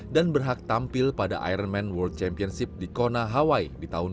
dan berhak tampil pada ironman world championship di kona hawaii di tahun dua ribu tujuh belas